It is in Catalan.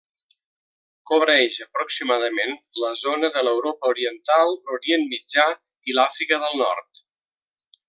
Cobreix, aproximadament, la zona de l'Europa Oriental, l'Orient Mitjà i l'Àfrica del Nord.